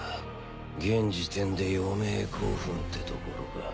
現時点で余命５分ってところか。